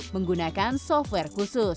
menggunakan software khusus